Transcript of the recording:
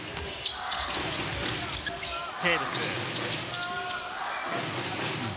テーブス。